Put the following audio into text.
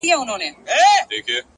مثبت چلند سخت حالات نرموي!.